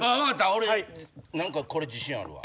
俺何かこれ自信あるわ。